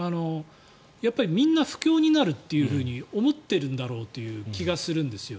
やっぱり、みんな不況になると思っているんだろうという気がするんですよ。